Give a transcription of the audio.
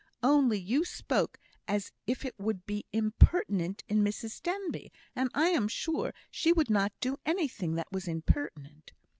"Only you spoke as if it would be impertinent in Mrs Denbigh, and I am sure she would not do anything that was impertinent.